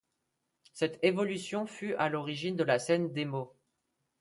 Cette évolution fut à l'origine de la scène démo.